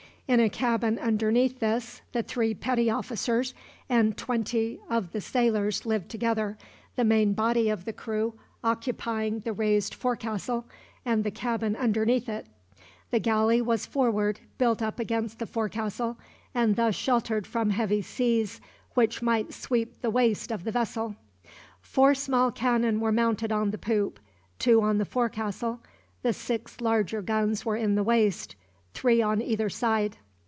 In a cabin underneath this, the three petty officers and twenty of the sailors lived together, the main body of the crew occupying the raised forecastle and the cabin underneath it. The galley was forward, built up against the forecastle, and thus sheltered from heavy seas which might sweep the waist of the vessel. Four small cannon were mounted on the poop, two on the forecastle, the six larger guns were in the waist three on either side.